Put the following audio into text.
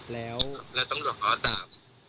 แล้วตำรวจขอตาม